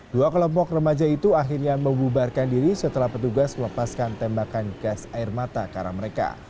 dua kelompok remaja itu akhirnya membubarkan diri setelah petugas melepaskan tembakan gas air mata ke arah mereka